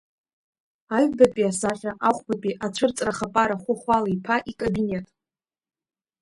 Аҩбатәи асахьа ахәбатәи ацәырҵра хапара Хәахәала-иԥа икабинет.